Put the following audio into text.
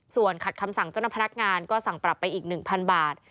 ส่วนขัดคำสั่งเจ้าพนักงานก็สั่งปรับไปอีก๑๐๐บาท